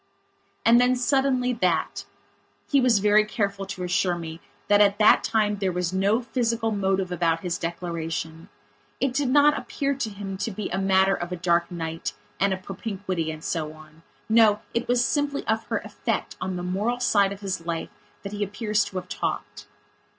And then, suddenly, that He was very careful to assure me that at that time there was no physical motive about his declaration. It did not appear to him to be a matter of a dark night and a propinquity and so on. No, it was simply of her effect on the moral side of his life that he appears to have talked.